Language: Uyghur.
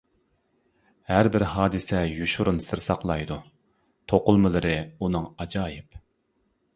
ھەر بىر ھادىسە يوشۇرۇن سىر ساقلايدۇ، توقۇلمىلىرى ئۇنىڭ ئاجايىپ.